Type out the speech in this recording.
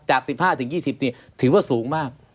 จาก๑๕ปีถึง๒๐ปีถือว่าสูงมาก